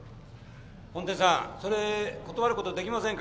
本店さんそれ断ることできませんか？